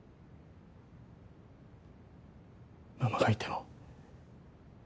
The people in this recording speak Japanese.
ママがいても。